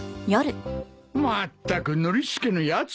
まったくノリスケのやつ。